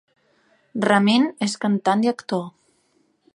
Ramin és cantant i actor.